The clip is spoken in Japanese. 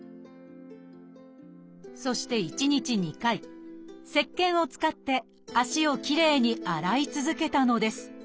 そして１日２回せっけんを使って足をきれいに洗い続けたのです。